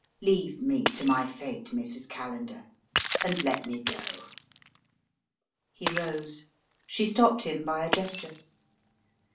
Leave me to my fate, Mrs. Callender and let me go." He rose. She stopped him by a gesture.